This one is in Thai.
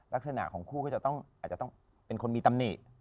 ลักษณะของคู่ก็จะต้องเป็นคนมีตำหนิ